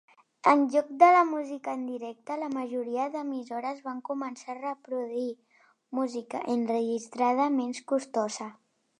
En lloc de la música en directe, la majoria de les emissores van començar a reproduir música enregistrada menys costosa.